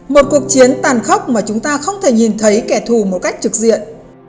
một cuộc chiến tàn khốc mà chúng ta không thể nhìn thấy kẻ thù một cách trực diện